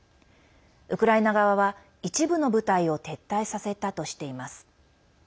ウクライナ側は、一部の部隊を撤退させたとしています。